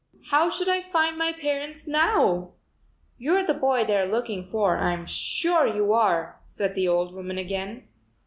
How should I find my parents now? "You're the boy they're looking for; I'm sure you are," said the old woman again.